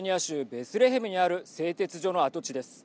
ベスレヘムにある製鉄所の跡地です。